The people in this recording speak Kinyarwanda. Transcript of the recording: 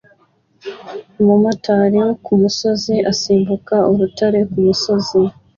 Umumotari wo kumusozi asimbuka urutare kumusozi